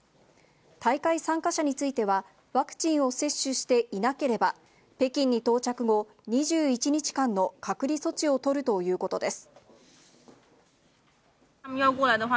大会参加者については、ワクチンを接種していなければ、北京に到着後、２１日間の隔離措置を取るということです。